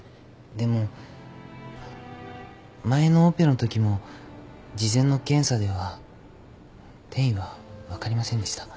でも前のオペのときも事前の検査では転移は分かりませんでした。